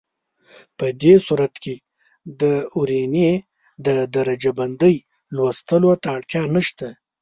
په دې صورت کې د ورنيې د درجه بندۍ لوستلو ته اړتیا نشته.